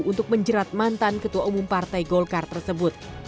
untuk menjerat mantan ketua umum partai golkar tersebut